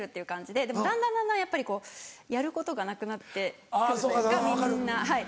でもだんだんだんだんやっぱりこうやることがなくなって来るというかみんなはい。